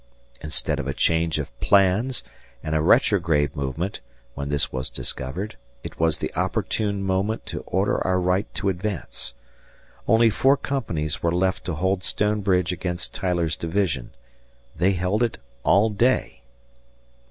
Instead of a change of plans and a retrograde movement, when this was discovered, it was the opportune moment to order our right to advance. Only four companies were left to hold Stone Bridge against Tyler's division; they held it all day.